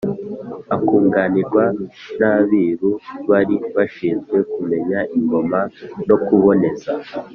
akunganirwa n'abiru bari bashinzwe kumenya ingoma no kuboneza